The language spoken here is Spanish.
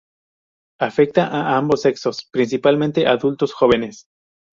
Afecta a ambos sexos, principalmente adultos jóvenes.